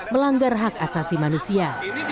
melanggar hak asasi manusia